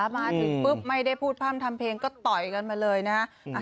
มาถึงปุ๊บไม่ได้พูดพร่ำทำเพลงก็ต่อยกันมาเลยนะฮะ